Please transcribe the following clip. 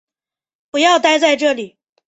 不要待在这里